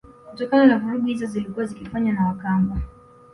Kutokana na vurugu hizo zilizokuwa zikifanywa na Wakamba